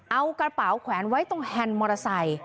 เอากระเป๋าแขวนไว้ตรงแฮนด์มอเตอร์ไซค์